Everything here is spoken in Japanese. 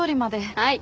はい。